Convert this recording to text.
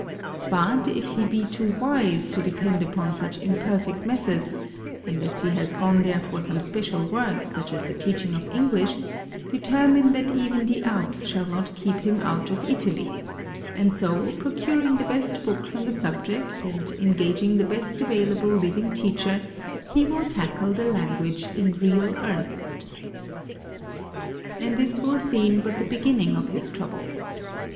But, if he be too wise to depend upon such imperfect methods, — unless he has gone there for some special work, such as the teaching of EngUsh — determine that even the Alps shall not keep him out of Italy; and so, procuring the best books on the subject and engaging the best available living teacher, he will tackle the lan guage in real earnest. And this will seem but the beginning of his troubles.